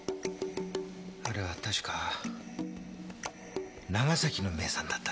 あれは確か長崎の名産だった。